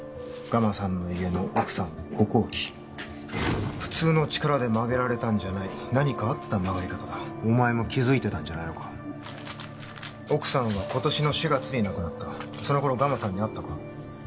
ガマさんの家の奥さんの歩行器普通の力で曲げられたんじゃない何かあった曲がり方だお前も気づいてたんじゃないのか奥さんは今年の４月に亡くなったその頃ガマさんに会ったか？